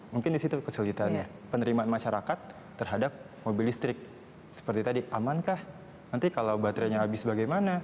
mungkin disitu kesulitannya penerimaan masyarakat terhadap mobil listrik seperti tadi amankah nanti kalau baterainya habis bagaimana